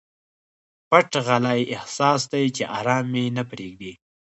پټ غلی احساس دی چې ارام مي نه پریږدي.